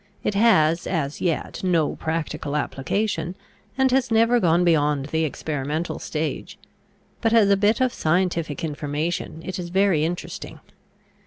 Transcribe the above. It has as yet no practical application and has never gone beyond the experimental stage, but as a bit of scientific information it is very interesting.